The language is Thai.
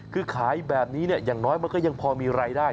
คือขายแบบนี้อย่างน้อยมันก็ยังพอมีรายได้